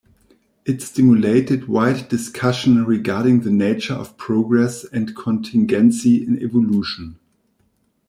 It stimulated wide discussion regarding the nature of progress and contingency in evolution.